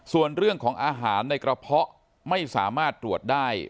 ส่วนเรื่องของอาหารในกระเพาะไม่สามารถตรวจได้